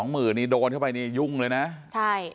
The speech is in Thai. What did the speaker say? ๒๐๐๐๐บาทโดนเข้าไปนี่ยุ่งเลยนะใช่